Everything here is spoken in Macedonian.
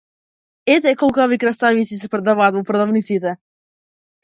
Ете колкави краставици се продаваат сега во продавниците!